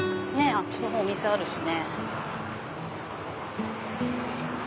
あっちの方お店あるしね。